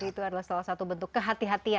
jadi itu adalah salah satu bentuk kehatian